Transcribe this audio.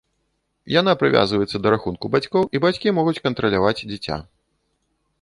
Яна прывязваецца да рахунку бацькоў, і бацькі могуць кантраляваць дзіця.